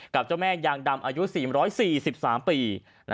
กับเจ้าแม่ยางดำอายุ๔๔๓ปี